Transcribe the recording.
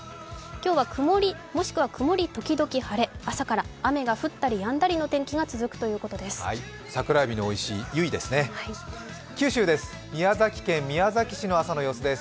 今日は曇り、もしくは曇り時々晴れ朝から雨が降ったりやんだりの天気が続くということです。